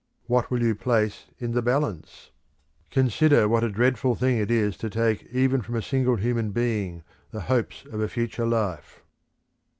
What will you place in the balance? Consider what a dreadful thing it is to take even from a single human being the hopes of a future life.